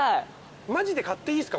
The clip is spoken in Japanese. マジで買っていいですか？